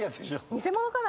偽物かな？